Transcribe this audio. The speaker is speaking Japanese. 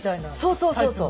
そうそうそうそう。